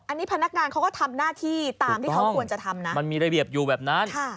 อันนี้พนักงานเขาก็ทำหน้าที่ตามที่เขาควรจะทำนะมันมีระเบียบอยู่แบบนั้น